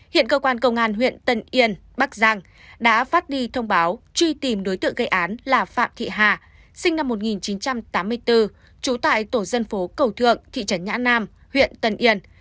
hiện cơ quan công an huyện tân yên bắc giang đã phát đi thông báo truy tìm đối tượng gây án là phạm thị hà sinh năm một nghìn chín trăm tám mươi bốn trú tại tổ dân phố cầu thượng thị trấn nhã nam huyện tân yên